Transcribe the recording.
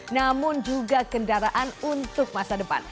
namun juga kendaraan untuk masa depan